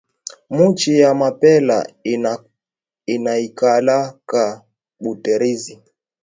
Muchi ya mapela inaikalaka buterezi